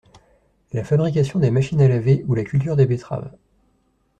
la fabrication des machines à laver ou la culture des betteraves.